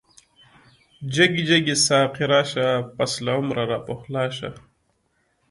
جګی جګی ساقی راشه، پس له عمره راپخلا شه